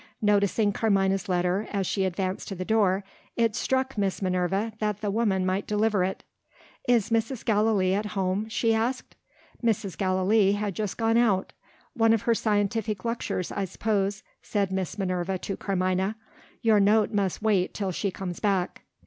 Noticing Carmina's letter, as she advanced to the door, it struck Miss Minerva that the woman might deliver it. "Is Mrs. Gallilee at home?" she asked. Mrs. Gallilee had just gone out. "One of her scientific lectures, I suppose," said Miss Minerva to Carmina. "Your note must wait till she comes back."